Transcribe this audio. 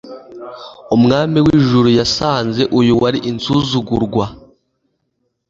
Umwami w’ijuru yasanze uyu wari insuzugurwa,